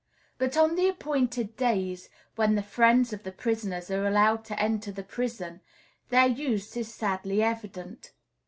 But on the appointed days when the friends of the prisoners are allowed to enter the prison, their use is sadly evident.